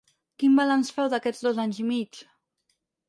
Quin balanç féu d’aquests dos anys i mig?